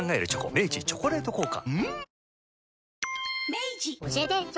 明治「チョコレート効果」